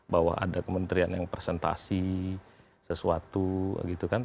bahwa ada kementerian yang presentasi sesuatu gitu kan